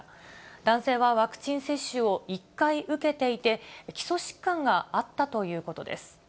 男性はワクチン接種を１回受けていて、基礎疾患があったということです。